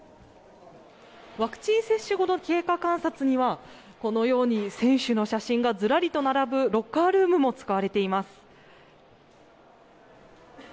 ワクチン接種後の経過観察には選手の写真がずらりと並ぶロッカールームも使われています。